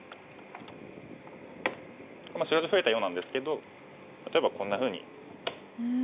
白地増えたようなんですけど例えばこんなふうに模様を広げます。